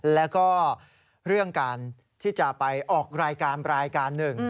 แล้วก็เรื่องการที่จะไปออกรายการรายการหนึ่ง